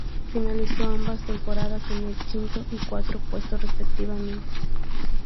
Finalizó ambas temporadas en el quinto y cuarto puesto, respectivamente.